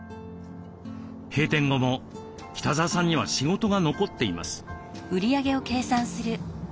閉店後も北澤さんには仕事が残っています。